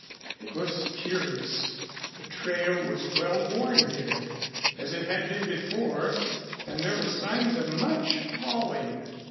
It was curious. The trail was well worn here as it had been before, and there were signs of much hauling.